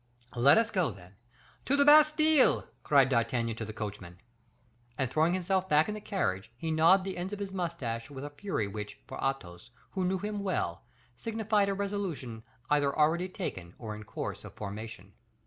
"Let us go, then! To the Bastile!" cried D'Artagnan to the coachman. And throwing himself back in the carriage, he gnawed the ends of his mustache with a fury which, for Athos, who knew him well, signified a resolution either already taken or in course of formation.